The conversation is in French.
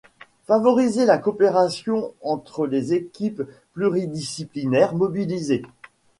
Favoriser la coopération entre les équipes pluridisciplinaires mobilisées.